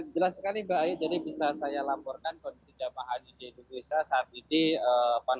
jelas sekali mbak ayu jadi bisa saya laporkan kondisi jamaah haji di indonesia saat ini